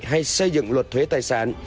hay xây dựng luật thuế tài sản